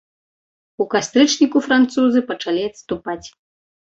У кастрычніку французы пачалі адступаць.